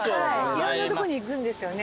いろんなとこに行くんですよね。